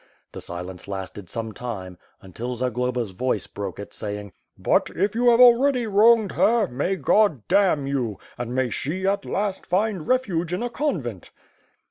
The silence lasted some time, until Zagloba's voice broke it, saying: "But, if you have already wronged her, may God damn you; and may she, at least, find refuge in a convent."